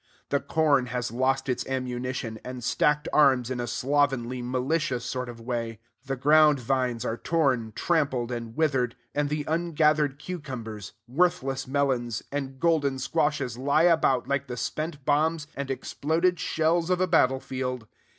The corn has lost its ammunition, and stacked arms in a slovenly, militia sort of style. The ground vines are torn, trampled, and withered; and the ungathered cucumbers, worthless melons, and golden squashes lie about like the spent bombs and exploded shells of a battle field.